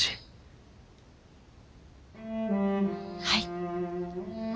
はい。